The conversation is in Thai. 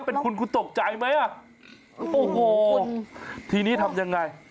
เป็นคุณคุณตกใจไหมอ่ะโอ้โหทีนี้ทำยังไง